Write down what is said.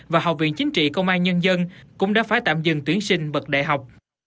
và học viện chính trị công an nhân dân cũng đã phải tạm dừng tuyển sinh bậc đại học